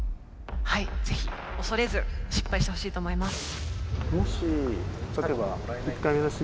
はいぜひ恐れず失敗してほしいと思います。